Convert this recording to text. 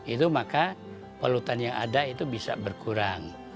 itu maka polutan yang ada itu bisa berkurang